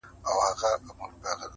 د خلگو زور د خداى زور دئ.